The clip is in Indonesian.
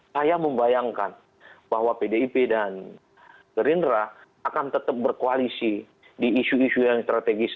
saya membayangkan bahwa pdip dan gerindra akan tetap berkoalisi di isu isu yang strategis